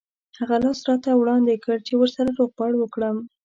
هغه لاس راته وړاندې کړ چې ورسره روغبړ وکړم.